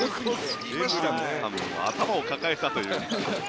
エブリンさんも頭を抱えたという。